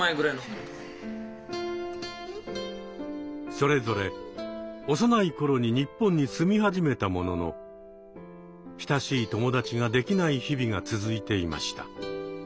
それぞれ幼い頃に日本に住み始めたものの親しい友達ができない日々が続いていました。